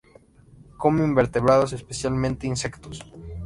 Come invertebrados, especialmente insectos.